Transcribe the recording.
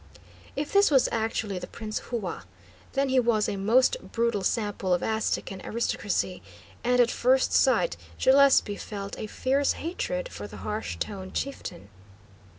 If this was actually the Prince Hua, then he was a most brutal sample of Aztecan aristocracy, and at first sight Gillespie felt a fierce hatred for the harsh toned chieftain.